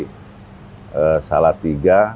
kemudian di jawa tengah